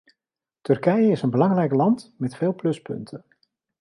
Turkije is een belangrijk land met veel pluspunten.